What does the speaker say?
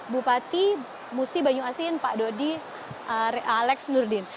bupati musi banyu asin pak dodi alex nurdin